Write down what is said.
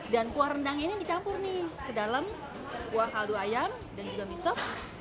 dan kuah rendang ini dicampur nih ke dalam kuah kaldu ayam dan juga mie sop